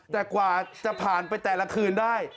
แต่กว่าจะผ่านไปแต่ละคืนได้